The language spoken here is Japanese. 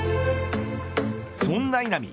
そんな稲見